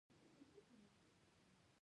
بل ځای دې مزدوري وکي.